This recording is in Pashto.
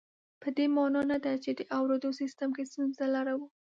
په دې مانا نه ده چې د اورېدو سیستم کې ستونزه لرو